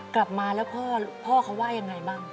กลับมาแล้วพ่อเขาว่ายังไงบ้าง